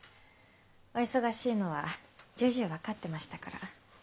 お忙しいのはじゅうじゅう分かってましたから。